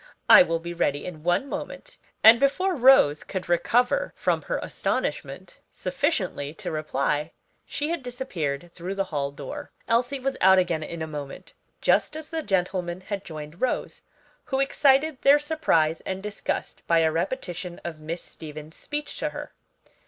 I will be ready in one moment." And before Rose could recover from her astonishment sufficiently to reply she had disappeared through the hall door. Elsie was out again in a moment, just as the gentlemen had joined Rose, who excited their surprise and disgust by a repetition of Miss Stevens' speech to her.